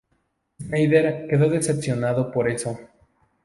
Schneider quedó decepcionado por eso.